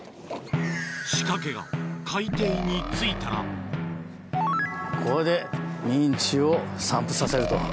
仕掛けが海底についたらこれでミンチを散布させると。